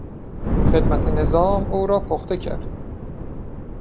خدمت نظام او را پخته کرد.